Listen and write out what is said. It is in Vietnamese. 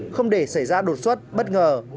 không để xảy ra đột xuất bất ngờ